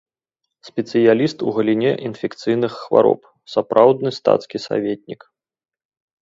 Спецыяліст у галіне інфекцыйных хвароб, сапраўдны стацкі саветнік.